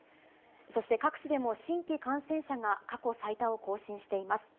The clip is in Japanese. そして、各地でも新規感染者が過去最多を更新しています。